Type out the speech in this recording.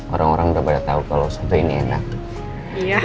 orang orang udah pada tau kalau soto ini enak